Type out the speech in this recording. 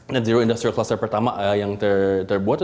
net zero industrial cluster pertama yang terbuat itu